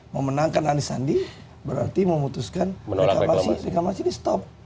memenangkan anies sandi berarti memutuskan reklamasi di stop